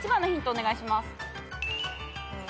お願いします。